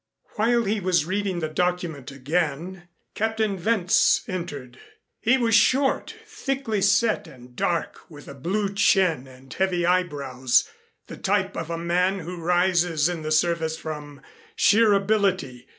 While he was reading the document again Captain Wentz entered. He was short, thickly set and dark with a blue chin and heavy eyebrows, the type of a man who rises in the service from sheer ability.